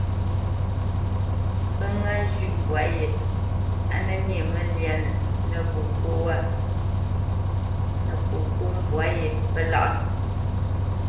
Pə́ ŋâ zhʉ̌ʼ mbwǎ yé á nə nyê məlyánə nə popó mbwǎ yé, pə́ láʼnə.